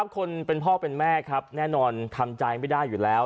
คนเป็นพ่อเป็นแม่ครับแน่นอนทำใจไม่ได้อยู่แล้ว